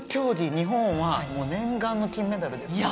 日本は念願の金メダルですから。